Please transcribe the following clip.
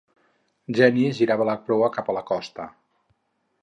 Jeanne girava la proa cap a la costa.